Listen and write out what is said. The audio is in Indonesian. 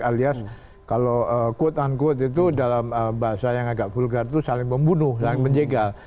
alias kalau quote unquote itu dalam bahasa yang agak vulgar itu saling membunuh saling menjegal